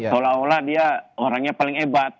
seolah olah dia orangnya paling hebat